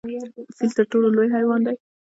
فیل تر ټولو لوی حیوان دی؟